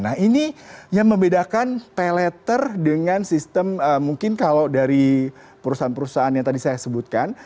nah ini yang membedakan pay later dengan sistem mungkin kalau dari perusahaan perusahaan yang tadi saya sebutkan